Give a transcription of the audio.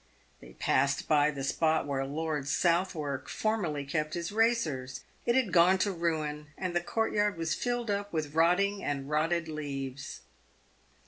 They passed by the spot where Lord Southwark formerly kept his racers. It had gone to ruin, and the court yard was filled up with rotting and rotted leaves.